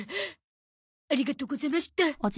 ありがとござました。